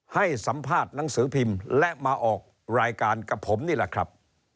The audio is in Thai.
ให้สัมภาษณ์หนังสือพิมพ์และมาออกรายการกับผมนี่แหละครับ